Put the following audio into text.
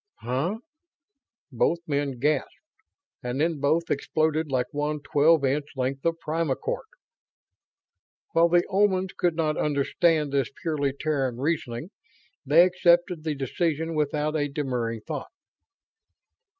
"Huh?" Both men gasped and then both exploded like one twelve inch length of primacord. While the Omans could not understand this purely Terran reasoning, they accepted the decision without a demurring thought.